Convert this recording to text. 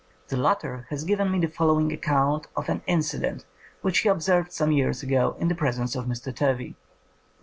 The latter has given me the following account of an inci dent which he observed some years ago in the presence of Mr. Turvey.